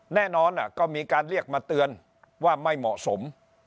แน่นอนก็มีการเรียกมาเตือนว่าไม่เหมาะสม